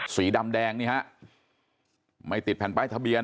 สีดำแดงนี่ฮะไม่ติดแผ่นป้ายทะเบียน